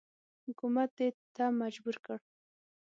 حکومت دې ته مجبور کړ.